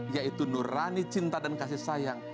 yaitu nurani cinta dan kasih sayang